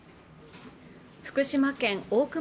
福島県大熊